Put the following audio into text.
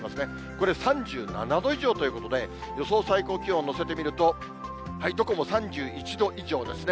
これ、３７度以上ということで、予想最高気温を乗せてみると、どこも３１度以上ですね。